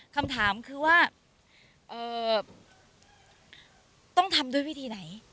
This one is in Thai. คำถามคือว่าต้องทำด้วยวิธีไหน